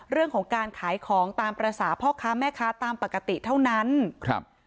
เรื่องของการขายของตามภาษาพ่อค้าแม่ค้าตามปกติเท่านั้นครับ